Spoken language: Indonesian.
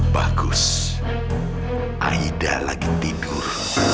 bagus aida lagi tidur